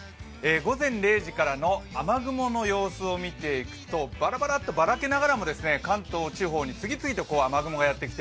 午前０時からの雨雲の様子を見ていくと、ばらばらと、ばらけながらも関東地方に次々と雨雲がやってき